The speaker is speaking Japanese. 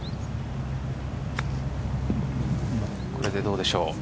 これでどうでしょう。